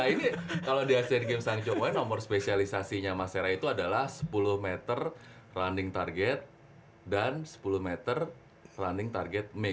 nah ini kalau di asean games and job ways nomor spesialisasinya mas sera itu adalah sepuluh meter landing target dan sepuluh meter landing target mix